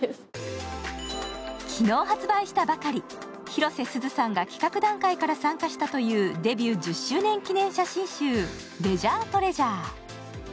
昨日発売したばかり、広瀬すずさんが企画段階から参加したというデビュー１０周年記念写真集、「レジャー・トレジャー」。